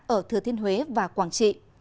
ở thừa thiên huế và quảng trị